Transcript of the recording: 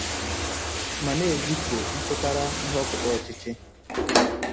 ma na-ezipu mpụtara nhọpụta ọchịchị